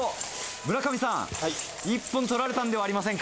村上さん一本取られたんではありませんか？